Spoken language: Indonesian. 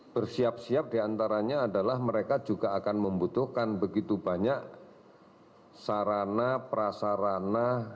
bersiap siap diantaranya adalah mereka juga akan membutuhkan begitu banyak sarana prasarana